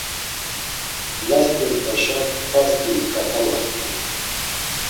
Last̆rumt̆aşa kvasti iǩatalart̆u.